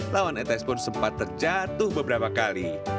lawan etes pun sempat terjatuh beberapa kali